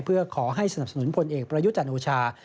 เพื่อขอให้สนับสนุนพลเอกประยุจันทร์โอชา